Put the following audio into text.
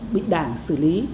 bị đảng xử lý